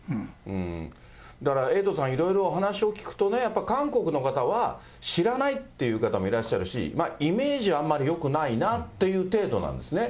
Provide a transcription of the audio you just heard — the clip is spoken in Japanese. だからエイトさん、いろいろお話を聞くと、やっぱ韓国の方は知らないという方もいらっしゃるし、イメージはあんまりよくないなあという程度なんですよね。